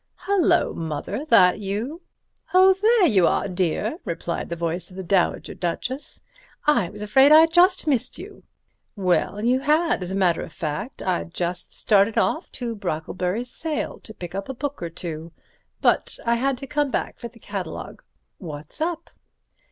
"Hullo, Mother—that you?" "Oh, there you are, dear," replied the voice of the Dowager Duchess. "I was afraid I'd just missed you." "Well, you had, as a matter of fact. I'd just started off to Brocklebury's sale to pick up a book or two, but I had to come back for the catalogue. What's up?"